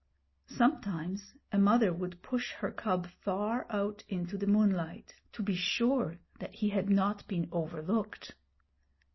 Sometimes a mother would push her cub far out into the moonlight, to be sure that he had not been overlooked.